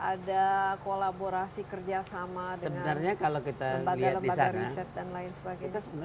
ada kolaborasi kerjasama dengan lembaga lembaga riset dan lain sebagainya